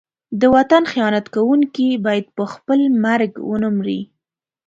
د وطن خیانت کوونکی باید په خپل مرګ ونه مري.